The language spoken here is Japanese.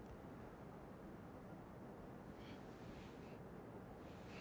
えっ？